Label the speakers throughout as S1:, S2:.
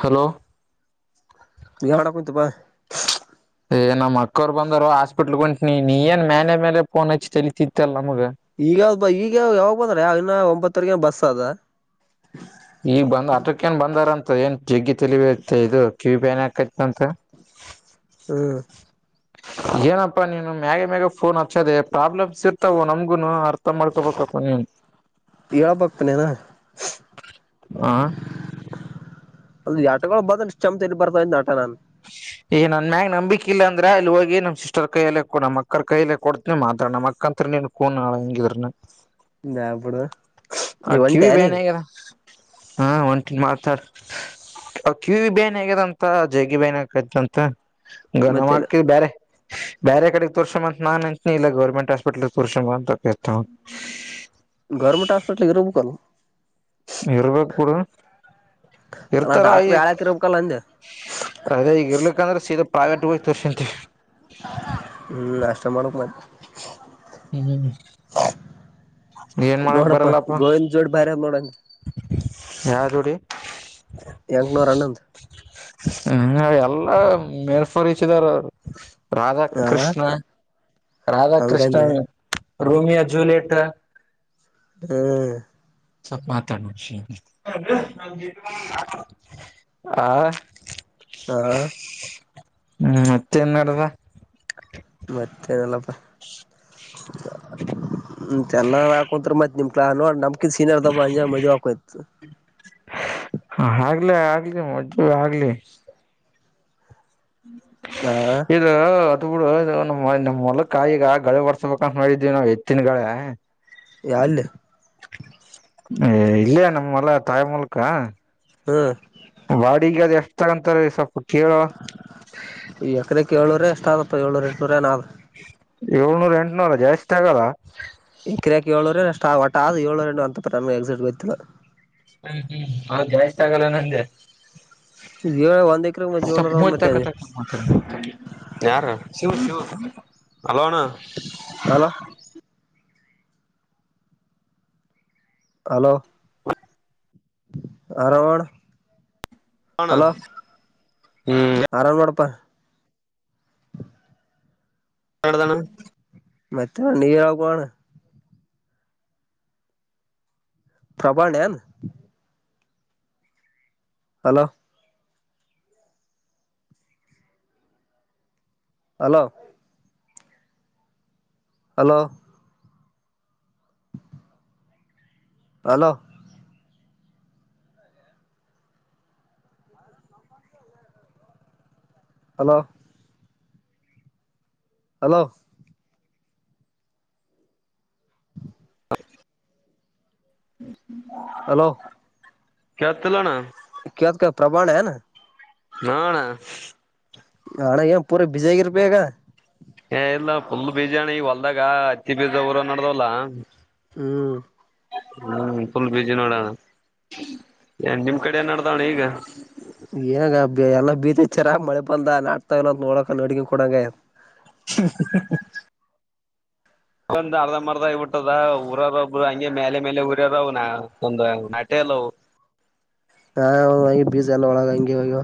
S1: Hello
S2: ಯಾವಡ ಕುತಪ್ಪಾ
S1: ಏ ನಮ್ಮ ಅಕ್ಕೋರು ಬಂದರು ಹಾಸ್ಪಿಟ್ಲ್ ಹೊಂಟನಿ ನೀ ಮೇಲೆ ಮೇಲೆ ಫೋನ್ ಹಚ್ಚಿ ತಲತಿತ್ತಲ್ಲ
S2: ಈಗಾವ್ದ ಈಗಾವ ಯಾವಾಗ ಬಂದ್ರ ಆಗಿನ ಒಂಬತ್ತವರೆಗ ಬಸ್ ಅದ
S1: ಈಗ ಬಂದ್ ಆಟಕ್ಕೇನ್ ಬಂದಾರಂತ ಏನ್ ಜಿಗ್ಗಿ ತಿಳ ಇತ್ತ ಇದು ಕಿವ ಪ್ಯಾನ್ ಹಾಕೈತ್ಂತ
S2: ಹ್ಮ್
S1: ಏನಪ್ಪಾ ನೀನು ಮ್ಯಾಗ ಮ್ಯಾಗ ಫೋನ್ ಹಚ್ಚೋದೆ ಪ್ರಾಬ್ಲಮ್ಸ್ ಇರ್ತಾವೋ ನಮ್ಗುನು ಅರ್ಥ ಮಾಡ್ಕೋಬೇಕ ಹ್ಮ್
S2: ಇಳ ಪಕ್ಕನೆನಾ
S1: ಆ
S2: ಅ ಆಟಗಳು ಬಂದ ಚಮ್ ಬರ್ತಾವ ಆಟ ನಾನನ್
S1: ಈಗ ನನ್ ಮ್ಯಾಗ ನಂಬಿಕಿಲ್ಲ ಅಂದ್ರೆ ಅಲ್ಲಿ ಹೋಗಿ ನಮ್ಮ ಸಿಸ್ಟರ್ ಕೈಯಲ್ಲ ನಮ್ಮಕ್ಕರ್ ಕೈಯಲೆ ಕೊಡ್ತನಿ ಮಾತ್ರ ನಮ್ಮ ಅಕ್ಕ ತರೇ ಕೂಣ ನಳ ಹಂಗಿರನ
S2: ನಾನ್ ಇಬಡು
S1: ಅ ಕಿವಿ ಬೇನ್ಗದ ಹಾ ಒಂಟ ಮಾತಾಡ್ ಕಿವಿ ಬೇನ್ ಹೇಗದಂತ ಜಗಿ ಬೇನ್ ಹಕತಂತ ಗನಮ
S2: ಮತ್ತೆ
S1: ಹಾಕ್ತಿದ ಬೇರೆ ಬೇರೆ ಕಡೆಗ್ ತೋರ್ಸಂಬ ಅಂತ ನನ್ ಅಂಂತನಿ ಇಲ್ಲ ಗೌರ್ಮೆಂಟ್ ಹಾಸ್ಪಿಟ್ಲ್ ತೋರ್ಸಂಬ ಅಂತ ಕರ್ತ
S2: ಗೌರ್ಮೆಂಟ್ [unintelligible]
S1: ಇರ್ಬೇಕು ಕೂಡ
S2: ಅಲ್ಲ
S1: ಇರ್ತರಾಯ
S2: ಡಾಕ್ಟರ್ ಯಾಳಕ್ ಇರ್ಬೇಕಲ್ಲ ಅಂದೆ
S1: ಅದೇ ಈಗ ಇರ್ಲಿಕ್ಕಂದ್ರೆ ಸೀದಾ ಪ್ರೈವೇಟ್ ಹೋಗ ತೋರ್ಸಂತ
S2: [unintelligible]
S1: ಹ್ಮ್ ಏನ್ ಮಾಡಕ್
S2: ನೋಡಪ್ಪಾ
S1: ಬರಲ್ಲಪ್ಪ
S2: ಗೋವಿಂದ ಜೋಡ್ ಬ್ಯಾರೆ ಅದ್ ನೋಡಂಗ
S1: ಯೋಡಿ
S2: ಎಂಕ್ನೂರ ಹನಂದ
S1: ಹ ಎಲ್ಲಾ ಮೇಲ್ಫಲಿಚದರ್ ಅವರು
S2: ಹಾ
S1: ರಾಧಾಕೃಷ್ಣ ರಾಧಾಕೃಷ್ಣ
S2: ಹಂಗಂದೆ
S1: ರೋಮಿಯೋ ಜೂಲಿಯೆಟ್
S2: ಹ್ಮ್
S1: ಮಾತಾಡೋಷ ಆ
S2: ಹಾ
S1: ಹ್ಮ್ ಮತ್ತೆೇನ್ ನಡದ
S2: ಮತ್ತೇನಲ್ಲಪ್ಪ ಎಲ್ಲ ಹಾಕಂತ ಮತ್ತ್ ನಿಮ ನೋಡ್ ನಮ್ಕಿ ಸೀನರ್ ದಬಂಜ ಮದುವೆ ಹಕೋಯ್ತು
S1: ಹ ಆಗ್ಲಿ ಆಗ್ಲಿ ಮೊಜು ಆಗ್ಲಿ
S2: ಹಾ
S1: ಇದು ಬಿಡುಮಮ್ಮ ಮೊಲಕ ಈಗ ಗಳಿ ಬರ್ಸ್ಬೇಕಂತ ನೋಡಿದ್ವಿ ನಾವ್ ಎತ್ತಿನಗಳೇ
S2: ಯಲ್ಲಿ
S1: ಇಲ್ಲಯ ನಮ್ಮಲ್ಲ ತಾಯಿ ಮೂಲಕ
S2: ಹ್ಮ್
S1: ಬಾಡಿಗೆ ಅದು ಎಷ್ಟ ತಗಂತಾರೆ ಸ್ವಲ್ಪ ಕೇಳ
S2: ಈ ಯಕರಾಕ್ಕೆ ಏಳೂರ ಎಷ್ಟ ಆದಪ್ಪ ಏಳೂರು ಎಂಟನೂರ ನ
S1: ಏಳ್ನೂರ ಎಂಟನೂರಲ್ಲ ಜಾಸ್ತಿ ಆಗಲ್ಲ
S2: ಎಕ್ರಾಕಿ ಏಳುರು ಅಷ್ಟ ಒಟ ಆದ್ ಏಳು ಅಂತ ನಮಗೆ ಎಕ್ಸಿಟ್ ಗೊತ್ತಿಲ್ಲ
S1: ಹ್ಮ್ ಹ್ಮ್ ನ ಜಾಸ್ತಿ ಆಗಲ್ಲ ನನ್ಗೆ
S2: ಇ ಒಂದ
S1: ಯಾರ ಶಿವು ಶಿವು ಹಲೋಣ
S2: ಹಲೋ ಹಲೋ ಹಲೋಣ
S1: ಹಣ
S2: ಆರಾಮ್ ನೋಡಪ್ಪಾ
S1: ಎಡದಾನ
S2: ಮತ್ತತ್ತೆ ನೀ ಆವು ಕಣ ಪ್ರಬಣ ನ್ hello hello hello hello hello hello
S1: ಕತ್ತಲ್ಲಣ
S2: ಕವಂತ ಕ ಪ್ರಬಾಣ ಹೆನ
S1: ಹಣ
S2: ಹಣ ಪೂರ ಬಿಜಾಗಿಿರ್ಬಿಗ
S1: ಏ ಇಲ್ಲ ುಲ್ ಬೀಜಾಣಿ ಈ ಹೊಲ್ದಾಗ ಅತ್ತಿ ಬೀಜ ಊರ ನಡ್ದಲ್ಲ
S2: ಹ್ಮ್
S1: ಹ್ಮ್ ಫುಲ್ ಬಿಜಿ ನೋಡಣ ಏ ನಿಮ್ ಕಡೆ ನಡ್ದಾವಣ ಈಗ
S2: ಏನಾಗ ಎಲ್ಲ ಬೀತಿಚ್ಚರ ಮಳೆ ಬಂದ ನಾಡ್ತಾ ಇಲ್ಲ ನೋಡಕ ನೋಡಕನ್ ಕೊಡಂಗಯ
S1: ಹ ಒಂದ್ ಅರ್ಧ ಮರ್ದ ಇಬಿಟ್ಟದ ಊರಾರ ಒಬ್ರು ಹಂಗೆ ಮೇಲೆ ಮೇಲೆ ಊರ್ಯರ ನ ಒಂದ ನಟೆ ಚಲೋ
S2: ಹಾ ಬೀಜ ಎಲ್ಲ ಒಳಗ ಹಂಗಗೆವ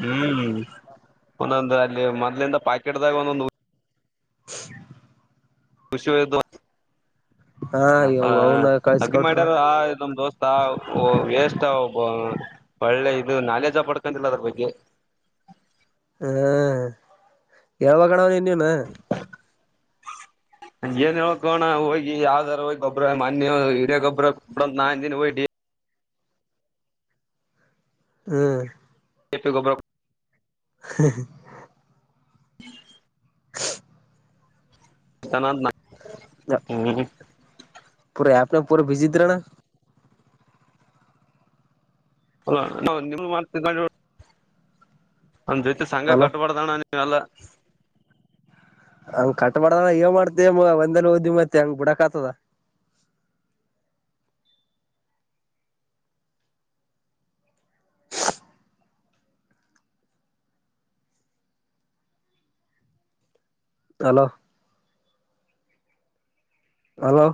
S1: ಹ್ಮ್ ಒಂದೊಂದು ಅಲ್ಲಿ ಮೊದ್ಲಿಂದ ಪಾಕೆಟ್್ದಾಗ ಒಂದೊಂದು ಖುಷಿವ ದ
S2: ಹಾ ಯವ್ವ ಅವನ
S1: ಅಗಿ
S2: ಕಳ್ಸಕೊಟ್ರ
S1: ಮಾಡ್ಯಾರ ಆ ಇದೊಂದ ದೋಸ್ತ ಎಷ್ಟ ಒಳ್ಳೆ ಇದು ನಾಲೆಜ ಪಡ್ಕಂತಿಲ್ಲ ಅದ್ರ ಬಗ್ಗೆ
S2: ಹ್ ಯಾವಾಗಣ ನೀನ
S1: ಹ ಏನ್ ಹೇಳ್ಕೋಣ ಹೋಗಿ ಯಾವ್ದಾರ ಹೋಗಿ ಗೊಬ್್ರ ಮನ್ಯ ಹಿಡ ಗೊಬ್ಬ ನಾಿನ ಹೋಗ [unintelligible]
S2: ಹ್ಮ್
S1: ಕೆಪ್ಪ ಗೊಬ್ಬರ
S2: ಹ
S1: ಚನ ಹ್ಮ್
S2: ಪೂರ ಆೆ ಪೂರ ಭೀಜಿಿದ್ರಣ
S1: ಅ ನಿಮ ಮಾಡೊಂಡ ನ್ ಜೊತೆ ಸಂಘ
S2: ಅಲೋ
S1: ಕಟ್ಬಾರ್ದಣ್ಣ ನಲ್ಲ
S2: ಹಂಗ ಕಟ್ ಮಾಡ್ದ ಏ ಮಾಡ್ತ ಮ ಒಂದಲ್ಲಿ ಓದಿ ಮತ್ತ ಹಂಗ್ ಬಿಡಕ್ ಆತದ ತಲೋ ಹಲೋ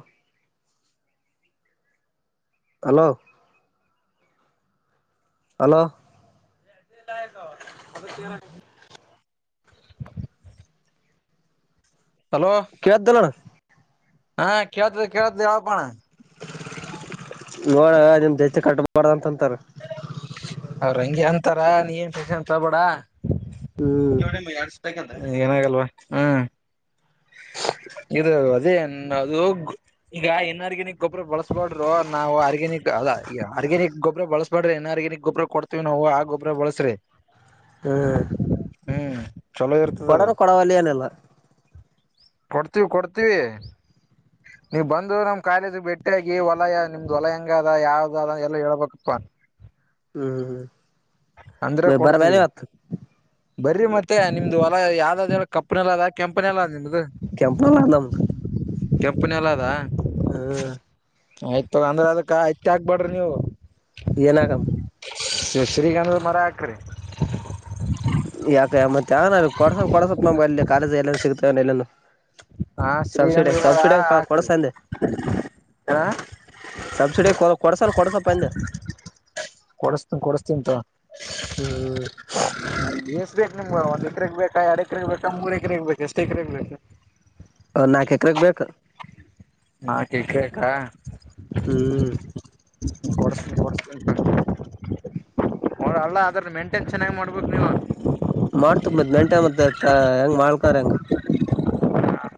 S2: ಹಲೋ ಹಲೋ
S1: [unintelligible] ಹಲೋ
S2: ಕವತ್ತು ದಲನ
S1: ಹಾ ಕೇಳ್ತ ಕೇಳತ್ ಹಳ್ಪಣ
S2: ನೋಡ ನಿಮ್ ಎಷ್ಟು ಕಟ್ಟಾ ಬಾರ ಅಂತನಾ
S1: ಅವ್ರ ಹಂಗೆ ಅಂತಾರ ನೀನು ಏನು ಟೆನ್ಶನ್ ತಕೊಬೇಡ
S2: ಹ್ಮ್
S1: ಏನಾಗಲ್ವಾ ಹ್ಮ್
S2: [unintelligible]
S1: ಇದು ಅದೇ ಅದು ಈಗ ಇನ್ ಆರ್ಗ್ಯನಿಕ್ ಗೊಬರ ಬಳಸ್ಬೋಡರು ನಾವು ಆರ್ಗ್ಯನಿಕ್ ಅಲ್ಲ ಈಗ ಆರ್ಗ್ಯನಕ್ ಗೊಬ ಬಳಸ್ಬ್ರೆ ಇನ್ ಆರ್ಗ್ಯನಕ್ ಗೊಬ್ಬರ ಕೊಡ್ತೇವಿ ನಾವು ಆ ಗೊಬ ಬಳಸ್ರೆ
S2: ಹ್ಮ್
S1: ಹ್ಮ್ ಚಲೋ ಇರ್ತದ ಅದು
S2: ಕೊಡನು ಕೊಡವಲ್ಲಿ ನಲ್ಲ
S1: ಕೊಡ್ತೀವಿ ಕೊಡ್ತೀವಿ ನೀವ್ ಬಂದು ನಮ್ ಕಾಲೇಜಿಗೆ ಭೇಟಿಯಾಗಿ ಹೊಲಯ ನಿಮ್ದ್ ಹೊಲಯ ಹೆಂಗ ಅದ ಯಾವ್ದ ಅದ ಎಲ್ಲ ಹೇಳ್ಬೇಕಪ್ಪ
S2: ಹ್ಮ್ ಬಾರಬೆಲೆ ಇವತ್ತು
S1: ಬರಿ ಮತ್ತೆ ನಿಮ್ದು ಹೊಲ ಯಾವ್ದ್ದ ಕಪ್ನಲದ್ದ ಕೆಂಪನಿನಲ್ಲ ನಿಮ್ದು
S2: ಕೆಂಪು ಹೊಲ ನಮ್ದು
S1: ಕೆಂಪನಲದ್ದ
S2: ಹ್ಮ್
S1: ಆಯ್ತ ತಕೊ ಅಂದ್ರೆ ಅದಕ್ಕ ಆಯ್ತಾ ಹಾಕಬೇಡ್ರಿ ನೀವು
S2: ಏನಕಮ್ಮ
S1: ಶ್ರೀಗಂಧದ ಮರ ಹಾಕ್ರಿ
S2: ಯಾಕ ಮತ್ ಕೊಡ್ಸ ಕೊಡಸತ್ ನಮ ಅಲ್ಲಿ ಕಾಲೇಜ್ ಎಲ್ಲಂದ ಸಿಗ್ತವ ಎಲ್ಲಂದು
S1: ಹಾ ಶ್ರೀಗಂಧದ ಮರ ಹಕ್ರೀ
S2: ಕೊಡ್ಸ ಅಂದೆ
S1: ಹ
S2: ಸಬ್ಸಿಡಿ ಕೊ ಕೊಡ್ಸನ್ ಕೊಡ್ಸಪ್ಪ ಅಂದೆ
S1: ಕೊಡುಸ್ತೀನಿ ಕೊಡಿಸ್ತೀನಿ ತಕೊ
S2: ಹ್ಮ್
S1: ಎಷ್ಟು ಬೇಕು ನಿಮ್ಗ ಒಂದ್ ಎಕರೆಗೆ ಬೇಕಾ ಎರಡು ಬೇಕಾ ಮೂರು ಎಕರೆಗ್ ಬೇಕ ಎಷ್ಟು ಎಕರೆಗ್ ಬೇಕು
S2: ನಾಲ್ಕು ಎಕರೆಗೆ ಬೇಕು
S1: ನಾಲ್ಕು ಎಕರೆಗ
S2: ಹ್ಮ್
S1: ಕೊಡಸ್ತೀನ್ ಕೊಡಸ್ತೀನ್ ಅಲ್ಲ ಅದ್ರ ಮೇಂಟೇನ್ ಚೆನ್ನಾಗಿ ಮಾಡ್ಬೇಕು ನೀವು
S2: ಮಾಡ್ತೀವಿ ಮತ್ ಮೇಂಟೈನ್ ಮತ್ತ ಹೆಂಗ ಮಾಡಕ ಹೆಂಗ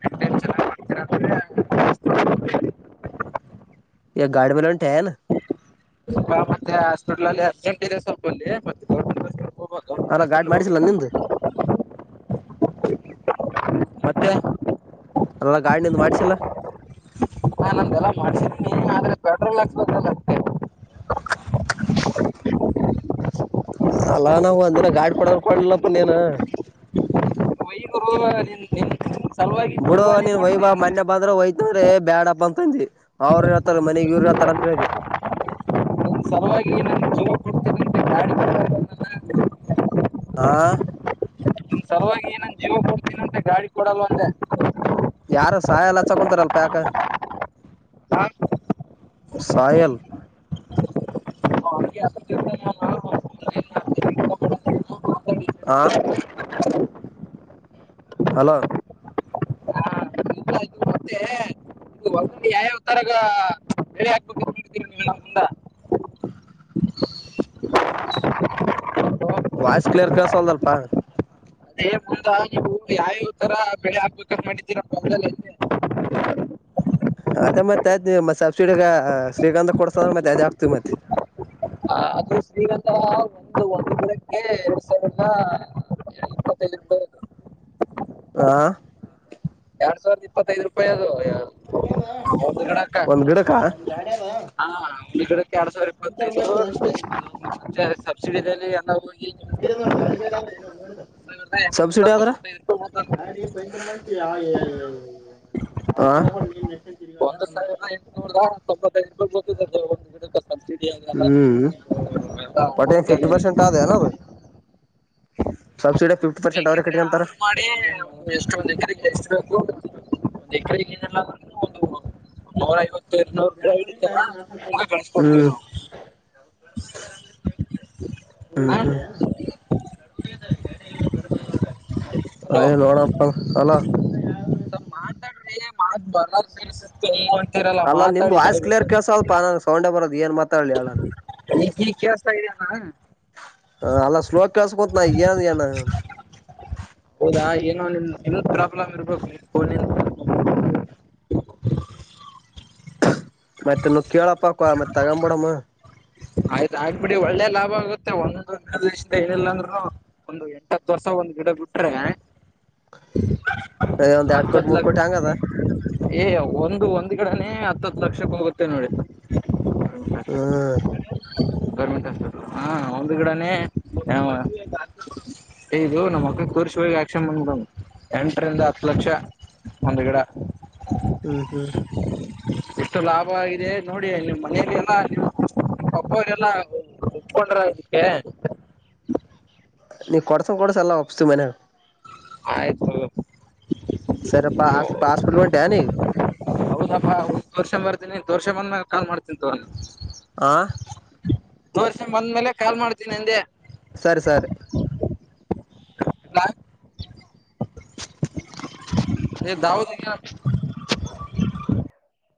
S1: ಮೇಂಟೈನ್ ಚೆನ್ನಾಗ್ ಮಾಡ್ತೀರ ಅಂದ್ರೆ
S2: ಏ ಗಾಡಿಮೇಲೆ ಹೊಂಟೆಯೇನು
S1: ಸ್ವಲ್ಪ ಮತ್ತೆ ಹಾಸ್ಪಿಟ್ಲ್ ಅಲ್ಲಿ ಅರ್ಜೆಂಟ್ ಇದೆ ಸ್ವಲ್ಪಲ್ಲಿ ಮತ್ತೆ ಹೋಗ್ಬೇಕ್ ಗೌರ್ಮೆಂಟ್
S2: ಅಲ್ಲ ಗಾಡ್
S1: ಹಾಸ್ಪಿಟ್ಲ್
S2: ಮಾಡಿಸಿಲ್ಲ
S1: ಹೋಗ್ಬೇಕ.
S2: ನಿಂದು
S1: ಮತ್ತೆ
S2: ಅಲ್ಲ ಗಾಡಿನಿಂದ ಮಾಡಿಸಿಲ್ಲ
S1: ನಾ ನಂದೆಲ್ಲ ಮಾಡ್ಸಿದೀನಿ ಆದ್ರೆ ಪೆಟ್ರೋಲ್ ಹಾಕಿಸಬೇಕು ಅದಿಕ್ಕೆ
S2: ಅಲ್ಲಾ ನಾವು ಒಂದಿನ ಗಾಡಿ ಕೊಡು ಅಂದ್ರೆ ಕೊಡ್ಲಿಲ್ಲಪ್ಪ ನೀನು
S1: [unintelligible] ಗುರು ನಿಂದ್ ನಿಂದ್
S2: ಬುಡ ನೀನ್ ವಯ್ಬಾ ಮೊನ್ನೆ ಬಂದ್ರ ಒಯ್ತಂದ್ರೆ ಬ್ಯಾಡಪ್ಪ ಅಂತಂದಿ ಅವ್ರ ಮನೆಗೆ ಇವರುಹತಾರ ಅಂತ ಹೇಳಿ
S1: ನಿನ್ ಸಲುವಾಗಿ [unintelligible]
S2: ಆ
S1: ನಿಮ್ ಸಲುವಾಗಿ ನನ್ನ ಜೀವ ಕೊಡ್ತನಂತೆ ಗಾಡಿ ಕೊಡಲ್ವ ಅಂದೇ
S2: ಯಾರ ಸಹಾಯ ಎಲ್ಲ ಚಕೊಂತಾರಲ್ಪ ಯಾಕ
S1: ಹಾ
S2: ಸಾಯಲ್
S1: ಅವ್ನಿಗೆ ಅದಕ್ಕಿಂತ ನಾನು ಹಾ, ಇಲ್ಲ, ಇದು ಮತ್ತೆ ಇದು ಹೊಲದಲ್ಲಿ
S2: ಆ ಹಲೋ
S1: [unintelligible] ಮುಂದ
S2: [inaudible] ವಾಯ್ಸ್ ಕ್ಲಿಯರ್ ಕೆೇಳಸಲ್ದಲ್ಪಾ
S1: [unintelligible]
S2: [inaudible] ಅದೇ ಮತ್ತೆ ಅದ್ ನೀ ಮತ್ತ ಸಬ್ಸಿಡಿ ಶ್ರೀಕಂಧ ಕೊಡ್ಸದ್ರ ಮತ್ತೆ ಅದ್ ಆಾಕ್ತಿವಿ ಮತ್ತೆ
S1: ಹ ಅದು ಶ್ರೀರಲ್ಲ ಒಂದು ಒಂದು ದಿನಕ್ಕೆ ಎರಡು ಎಪ್ಪತ್ತೈದು ರೂಪಾಯಿ ಏನೋ
S2: ಆ
S1: ಎರಡ್ ಸಾವಿರದ ಇಪ್ಪತ್ತೈದು ರೂಪಾಯಿ ಅದು ಒಂದು ಗಿಡಕ್ಕ
S2: ಒಂದ್ ಗಿಡಕ
S1: ದಿನಕ್ಕೆ ಎರಡ್ ಸಾವಿರ ಇಪ್ಪತ್ತೈದು ಮತ್ತೆ ಸಬ್ಸಿಡಲ್ಲಿ ಎಲ್ಲಾ ಹೋಗಿ ಸಾವಿರದ
S2: ಸಬ್ಸಿಡಿ
S1: ಎಂಟುನೂರ
S2: ಆದ್ರೆ
S1: ತೊಂಬತ್ತೈದು ರೂಪಾಯಿ ಬೀಳ್ತದಲ್ಲ
S2: ಗಂತಂದ
S1: ಗ ಒಂದು ಸಬ್ಸಿಡಿ ಅದೆಲ್ಲ
S2: ಹ್ಮ್
S1: ಎಲ್ಲ
S2: ಪಟ್ಟೇನ್ ಫಿಫ್ಟಿ
S1: ತೆಗ್ದ್ರಿ.
S2: ಪರ್ಸೆಂಟ್ ಆದ ಅಲ್ಲದು ಸ ಸಿಡ
S1: ಬೇಕಿದ್ರೆ ಆರ್ಡ್ರ ಮಾಡಿ ಒ ಎಷ್ಟೊಂದ ಎಷ್ಟು ಬೇಕು ಒಂದು ಎಕಡೆಗ ಏಲ್ಲ ಒಂದು ನೂರ ಐವತ್ತು ತನೂರು ರಡ್ ಕಳಸ ಕೊೊಡ್ತ
S2: ಹ್ಮ್ ಹ್ಮ್
S1: ಹಲೋ
S2: ಅಯ ನೋಡಪ್ಪ ಅಲ್ಲ
S1: ಮಾತಾಡ್ರಿ ಮಾತ್ ಬರಸತ
S2: ಅಲ್ಲ ನಿಮ್ದ್ ವಾಯ್ಸ್ ಕ್ಲಿಯರ್ ಕೇಸ ಅಲ್ಪ ನಾನನ್ ಸೌಂಡೆ ಬರೋದ ಏನ್ ಮಾತಾಡ್ಲಿ ಅಲ್ಲ
S1: ಈಗ ಈಗ ಕೇಳಿಸ್ತಾ ಇದೆಯಾ
S2: ಹ ಅಲ್ಲ ಸ್ಲೋ ಕಳ್ಸಕತ ನನ್ ಏನ
S1: ಹೌದಾ ನಿ ನಿಮ ಪ್ರಾಬ್ಲಮ್ ಇರ್ಬೇಕು ಫೋನ
S2: ಮತ್ತೆ ನ ಕೇಳಪ್ಪ ಕ ಮತ್ತತ್ ತಗೊಂಬ ಬಿಡಮ್ಮ
S1: ಆಯ್ತ ಆಗ್ಬಿಡಿ ಒಳ್ಳೆ ಲಾಭ ಆಗುತ್ತೆ ಒಂದೊಂದು ಎರಡು ದೇಶಿಂದ ಹೇಳಿಲ್ಲ ಅಂದ್ರು ಒಂದು ಎಂಟತ್ತು ವರ್ಷ ಒಂದ್ ಗಿಡ ಬಿಟ್ರೆ
S2: ಹ
S1: ಅಂತದ್ಲ ಏ ಒಂದು ಒಂದು ಕಡನ ಹತ್ತತ್ ಲಕ್ಷಕ್ಕ ಹೋಗುತ್ತೆ ನೋಡಿ
S2: ಹ್ಮ್
S1: ಗೌರ್ಮೆಂಟ್ ಹಸ್ಪಿಟಲ್ ಹಾ ಒಂದು ಗಿಡನೇ ಇದು ನಮ್ಮಕ್ಕ ಕೋರ್ಸ ಹೋಗ ಯಕ್ಷನ್ಂದ ಎಂಟರಿಂದ ಹತ್ತು ಲಕ್ಷ ಒಂದು ಗಿಡ
S2: ಹ್ಮ್ ಹ್ಮ್
S1: ಎಷ್ಟು ಲಾಭ ಆಗಿದೆ ನೋಡಿ ನಿಮ್ಮ್ ಮನೆಯಲ್ಲಿ ಎಲ್ಲ ನೀ ಪಬ್ಬವರೆಲ್ಲಾ ಉಪ್ಕೊಂಡ್ರ ಇದಕ್ಕೆ
S2: ನೀ ಕೊಡ್ಸ ಕೊಡ್ಸ ಎಲ್ಲ ಒಪ್ಸ್ತು ಮನ
S1: ಆಯ್ತು
S2: ಸರಪ್ಪಾ ಅಷ್ಟ ಹಾಸ್ಪಿಟ್ಲ್ ಹೊಂಟೆ ನೀ
S1: ಹೌದಪ್ಪಾ ಹ ತೋರ್ಸ ಬರ್ತೀನಿ ತೋರ್ ಷಮನ್ ಮ ಕಾಲ್ ಮಾಡ್ತಂತಿ
S2: ಆ
S1: ತೋರ್ಸ ಬಂದ್್ಮೇಲೆ ಕಾಲ್ ಮಾಡ್ತೀನಿ ನಂದೆ
S2: ಸರಿ ಸರಿ
S1: ಎಲ್ಲ ದಾವದ